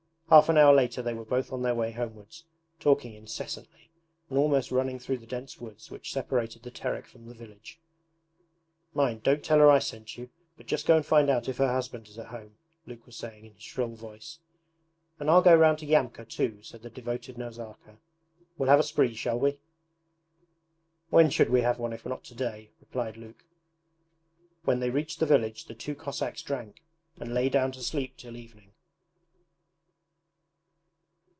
Half an hour later they were both on their way homewards, talking incessantly and almost running through the dense woods which separated the Terek from the village. 'Mind, don't tell her I sent you, but just go and find out if her husband is at home,' Luke was saying in his shrill voice. 'And I'll go round to Yamka too,' said the devoted Nazarka. 'We'll have a spree, shall we?' 'When should we have one if not to day?' replied Luke. When they reached the village the two Cossacks drank, and lay down to sleep till evening.